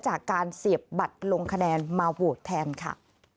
จากการเสียบบัตรลงคะแนนมาโหวตแทนค่ะ